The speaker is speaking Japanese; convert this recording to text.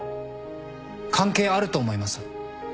関係あると思います。